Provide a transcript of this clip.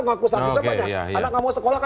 ngaku sakitnya banyak anak gak mau sekolah